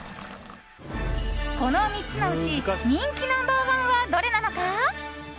この３つのうち人気ナンバー１はどれなのか。